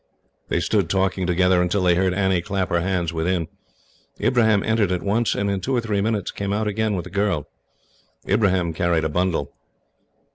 They stood, talking together, until they heard Annie clap her hands within. Ibrahim entered at once, and in two or three minutes came out again with the girl. Ibrahim carried a bundle.